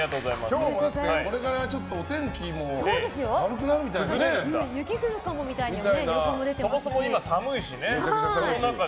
今日もこれからお天気も悪くなるみたいですから。